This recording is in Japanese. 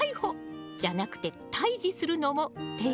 じゃなくて退治するのも手よ。